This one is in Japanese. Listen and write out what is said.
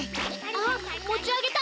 あっもちあげた！